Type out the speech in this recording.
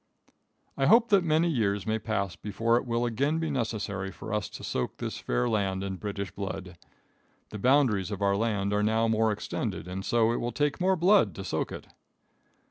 I hope that many years may pass before it will again be necessary for us to soak this fair land in British blood. The boundaries of our land are now more extended, and so it would take more blood to soak it.